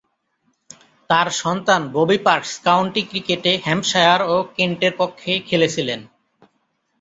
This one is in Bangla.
তার সন্তান ববি পার্কস কাউন্টি ক্রিকেটে হ্যাম্পশায়ার ও কেন্টের পক্ষে খেলেছিলেন।